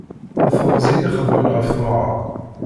D temẓi i ixeddmen ɣef temɣer.